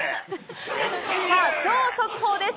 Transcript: さあ、超速報です。